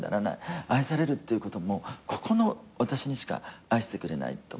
愛されるっていうこともここの私にしか愛してくれないと思って。